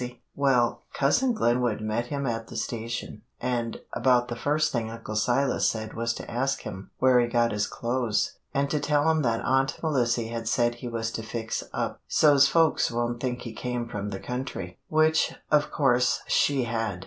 "Well, Cousin Glenwood met him at the station, and about the first thing Uncle Silas said was to ask him where he got his clothes, and to tell him that Aunt Melissy had said he was to fix up, so's folks wouldn't think he came from the country, which, of course, she had.